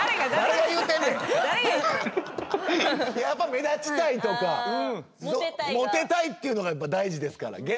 やっぱ目立ちたいとかモテたいっていうのが大事ですから。